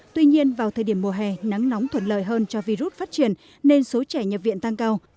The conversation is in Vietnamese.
tuy nhiên vào thời điểm mùa hè nắng nóng thuận lợi hơn cho virus phát triển nên số trẻ nhập viện tăng cao